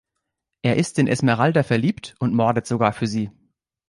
Er ist in Esmeralda verliebt und mordet sogar für sie.